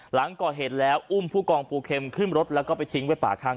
หลังก่อเหตุแล้วอุ้มผู้กองปูเข็มขึ้นรถแล้วก็ไปทิ้งไว้ป่าข้าง